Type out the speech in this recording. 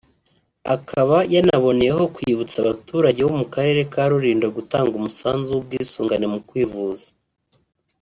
Akaba yanaboneyeho kwibutsa abaturage bo mu karere ka Rulindo gutanga umusanzu w’ubwisungane mu kwivuza